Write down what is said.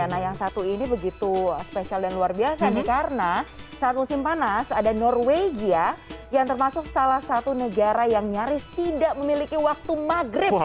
nah yang satu ini begitu spesial dan luar biasa nih karena saat musim panas ada norwegia yang termasuk salah satu negara yang nyaris tidak memiliki waktu maghrib